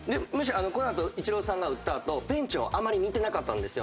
このあとイチローさんが打ったあとベンチをあまり見てなかったんですよ。